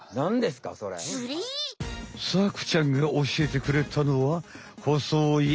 サクちゃんがおしえてくれたのはほそい